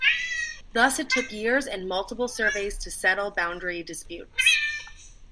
Thus it took years and multiple surveys to settle boundary disputes.